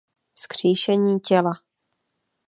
vzkříšení těla